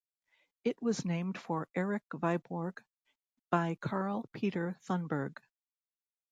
It was named for Erik Viborg by Carl Peter Thunberg.